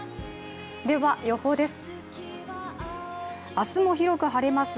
では予報です。